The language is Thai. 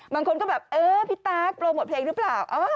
บางคนก็แบบเออพี่ตั๊กโปรโมทเพลงหรือเปล่า